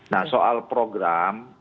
nah soal program